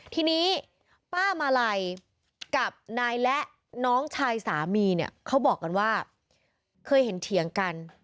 ทีนี้ป้ามาลัยกับนายและน้องชายสามีเนี่ยเขาบอกกันว่าเคยเห็นเถียงกัน